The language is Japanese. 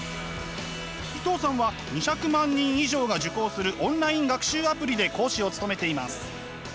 伊藤さんは２００万人以上が受講するオンライン学習アプリで講師を務めています。